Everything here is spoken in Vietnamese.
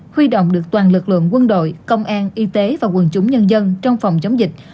huy động được toàn lực lượng quân đội công an y tế và quân chúng nhân dân trong phòng chống dịch